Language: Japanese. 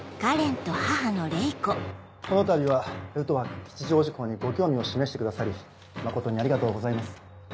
このたびはルトワック吉祥寺校にご興味を示してくださり誠にありがとうございます。